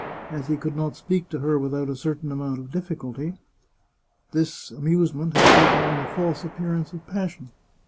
As he could not speak to her without a certain amount of difficulty, this amusement has taken on a false appearance of passion.